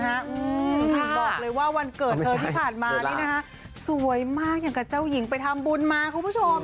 ถึงบอกเลยว่าวันเกิดเธอที่ผ่านมานี่นะคะสวยมากอย่างกับเจ้าหญิงไปทำบุญมาคุณผู้ชม